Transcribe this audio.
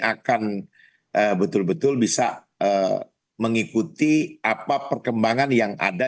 akan betul betul bisa mengikuti apa perkembangan yang ada